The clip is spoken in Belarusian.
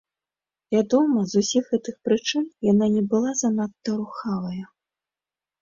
Вядома, з усіх гэтых прычын яна не была занадта рухавая.